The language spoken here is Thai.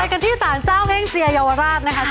ไปกันที่ศาลเจ้าแห้งเจียอยวราช